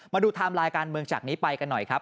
มาดูทามรายการเมืองจากนี้ไปกันหน่อยครับ